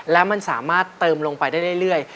แล้วมันสามารถเติมลงไปได้เรื่อย